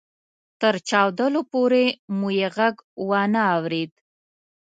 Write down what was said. تر چاودلو پورې مو يې ږغ وانه اورېد.